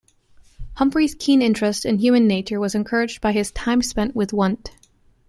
Humphrey's keen interest in human nature was encouraged by his time spent with Wundt.